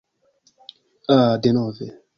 Ah, denove!